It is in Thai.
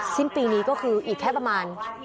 สิ้นปีนี้ก็คืออีกแค่ประมาณ